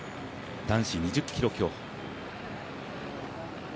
男子２０ｋｍ競歩。